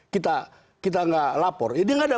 kita tidak lapor dia tidak ada